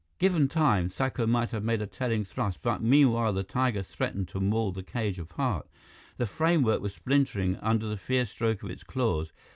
Given time, Thakur might have made a telling thrust; but meanwhile, the tiger threatened to maul the cage apart. The framework was splintering under the fierce stroke of its claws.